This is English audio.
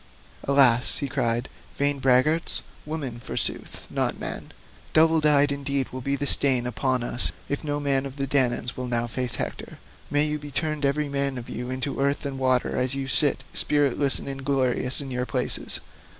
"Alas," he cried, "vain braggarts, women forsooth not men, double dyed indeed will be the stain upon us if no man of the Danaans will now face Hector. May you be turned every man of you into earth and water as you sit spiritless and inglorious in your places.